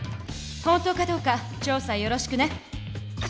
本当かどうか調査をよろしくね。